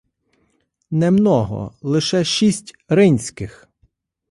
— Не много, лише шість ринських.